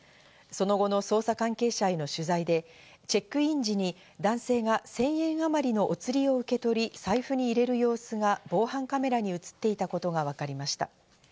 その後の捜査関係者への取材で、チェックイン時に男性が１０００円あまりのお釣りを受け取り、財布に入れる様子が防犯カメラに映っていたことがわかりました。